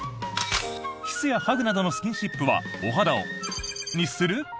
キスやハグなどのスキンシップはお肌を○○にする！？